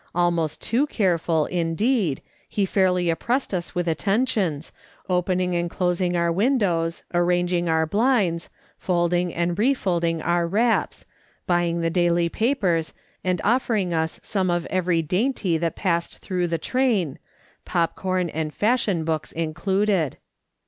Almost too careful, indeed, he fairly oppressed us with attentions, opening and closing our windows, arranging our blinds, folding and re folding our wraps, buying the daily papers, and offering us some of every dainty that passed tlirough the train, pop corn and fashion books included.